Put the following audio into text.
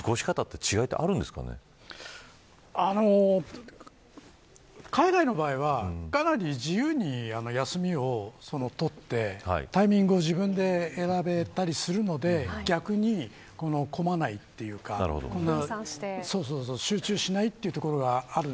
風間さん、日本と海外のこういう長期休暇の休みの海外の場合はかなり自由に休みを取って、タイミングを自分で選べたりするので逆に混まないというか集中しないというところがある。